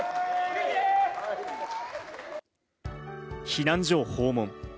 避難所を訪問。